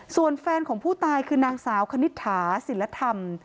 ส่วนแฟนของผู้ตายคือนางสาวคณิตถาศิลธรรม